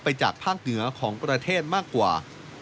จากภาคเหนือของประเทศมากกว่า